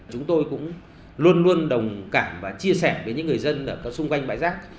chúng tôi cũng luôn luôn đồng cảm và chia sẻ với những người dân ở xung quanh bãi rác